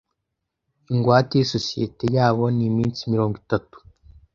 Ingwate yisosiyete yabo ni iminsi mirongo itatu.